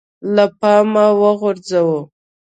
له پامه وغورځوو